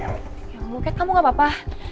ya allah kak kamu gak apa apa